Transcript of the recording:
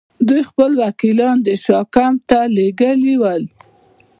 دوی خپل وکیلان د شاه کمپ ته لېږلي ول.